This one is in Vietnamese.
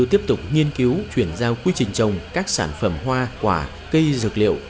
tiếp tục nghiên cứu chuyển giao quy trình trồng các sản phẩm hoa quả cây dược liệu